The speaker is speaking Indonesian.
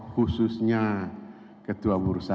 khususnya ketua bursa